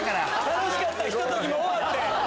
楽しかったひと時も終わって。